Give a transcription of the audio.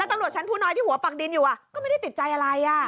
ตำรวจชั้นผู้น้อยที่หัวปักดินอยู่ก็ไม่ได้ติดใจอะไร